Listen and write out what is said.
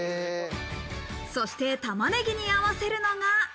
そして玉ねぎに合わせるのが。